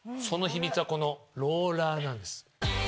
その秘密はこのローラーなんです。